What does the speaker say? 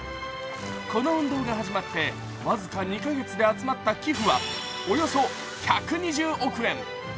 この運動が始まって僅か２か月で集まった寄付はおよそ１２０億円。